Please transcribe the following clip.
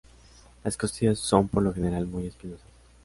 Las costillas son por lo general muy espinosas.